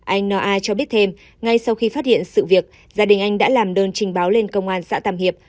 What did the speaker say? anh na cho biết thêm ngay sau khi phát hiện sự việc gia đình anh đã làm đơn trình báo lên công an xã tàm hiệp